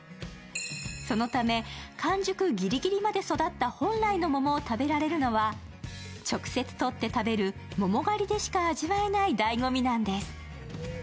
そのため、完熟ギリギリまで育った本来の桃を食べられるのは、直接とって食べる桃狩りでしか味わえないだいご味なんです。